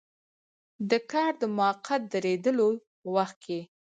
د کار د موقت دریدلو په وخت کې.